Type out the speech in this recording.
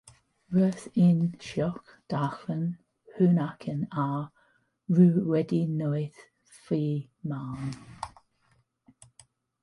Roedd e'n sioc darllen hwn ac yn awr rwy wedi newid fy marn.